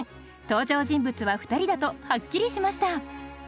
登場人物は２人だとはっきりしました。